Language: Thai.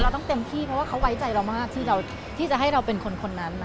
ต้องเต็มที่เพราะว่าเขาไว้ใจเรามากที่จะให้เราเป็นคนนั้น